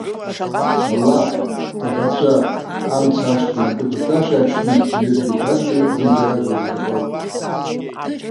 Аллаҳ иаӷацәа, амца ашҟа иандәықәырҵаша аҽны, жәытәгьы ҿатәгьы зегьы џьарак иеизгахоит.